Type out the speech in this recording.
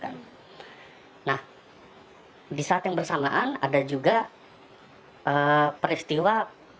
nah di saat yang bersamaan ada juga peristiwa